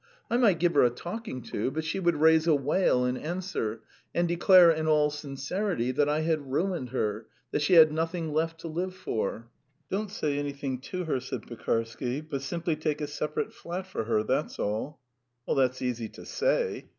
I might give her a talking to, but she would raise a wail in answer, and declare in all sincerity that I had ruined her, that she had nothing left to live for." "Don't say anything to her," said Pekarsky, "but simply take a separate flat for her, that's all." "That's easy to say."